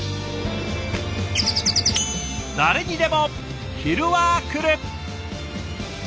誰にでも昼はくる。